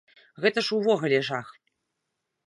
Гэта ж ўвогуле жах!